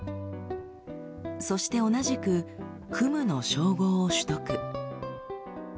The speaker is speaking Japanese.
そして同じく「クム」の称号を取得。